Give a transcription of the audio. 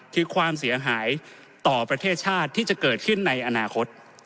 คือความเสียหายต่อประเทศชาติที่จะเกิดขึ้นในอนาคต